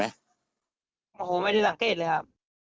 ไม่ได้สังเกตเลยครับ